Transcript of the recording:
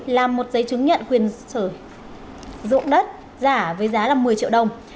làm một giấy chứng nhận quyền sử dụng đất giả với giá là một mươi triệu đồng